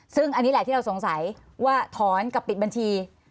ซึ่งอันนี้แหละที่เราสงสัยว่าถอนกับปิดบัญชี